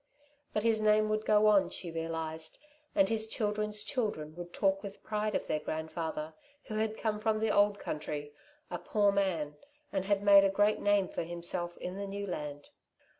But his name would go on, she realised, and his children's children would talk with pride of their grandfather who had come from the old country, a poor man, and had made a great name for himself in the new land.